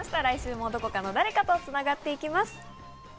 来週もどこかの誰かと繋がっていきます。